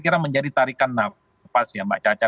kira menjadi tarikan nafas ya mbak caca